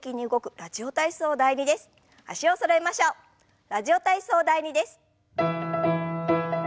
「ラジオ体操第２」です。